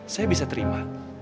saya bisa terima